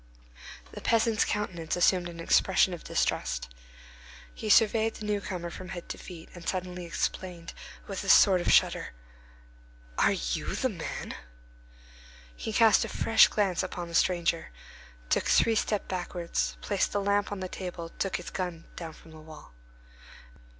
The peasant's countenance assumed an expression of distrust; he surveyed the newcomer from head to feet, and suddenly exclaimed, with a sort of shudder:— "Are you the man?—" He cast a fresh glance upon the stranger, took three steps backwards, placed the lamp on the table, and took his gun down from the wall.